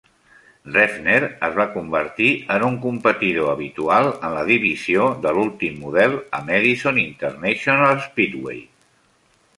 Reffner es va convertir en un competidor habitual en la divisió de l'últim model a Madison International Speedway.